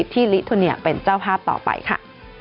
ที่ลิทูเนียเป็นเจ้าภาพต่อไปค่ะ